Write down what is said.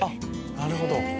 なるほど。